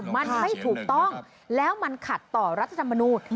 มันไม่ถูกต้องแล้วมันขัดต่อรัฐธรรมนูญ